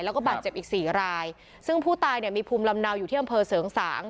แล้วก็บาดเจ็บอีกสี่รายซึ่งผู้ตายเนี่ยมีภูมิลำเนาอยู่ที่อำเภอเสริงสาง